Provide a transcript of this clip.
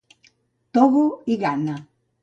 Togo i Ghana.